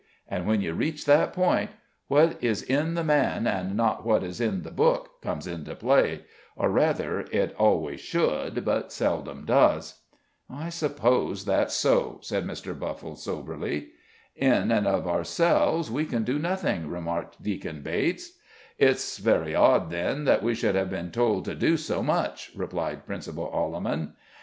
And when you reach that point, what is in the man and not what is in the book comes into play; or, rather, it always should but seldom does." "I suppose that's so," said Mr. Buffle, soberly. "In and of ourselves we can do nothing," remarked Deacon Bates. "It's very odd, then, that we should have been told to do so much," replied Principal Alleman.